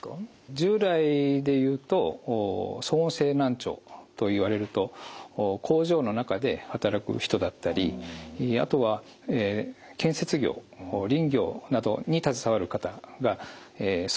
従来でいうと騒音性難聴といわれると工場の中で働く人だったりあとは建設業林業などに携わる方が騒音の職場でですね